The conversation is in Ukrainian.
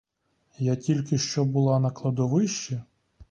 Я тільки що була на кладовищі.